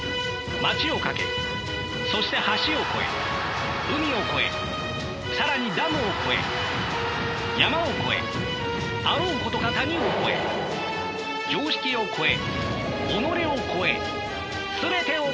街を駆けそして橋を越え海を越え更にダムを越え山を越えあろうことか谷を越え常識を越え己を越え全てを越えて。